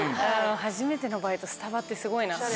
初めてのバイトスタバってすごいな。